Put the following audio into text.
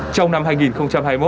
trong năm hai nghìn hai mươi một